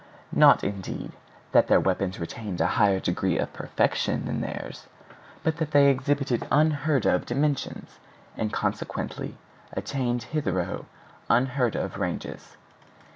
Not, indeed, that their weapons retained a higher degree of perfection than theirs, but that they exhibited unheard of dimensions, and consequently attained hitherto unheard of ranges.